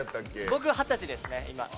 僕、二十歳ですね。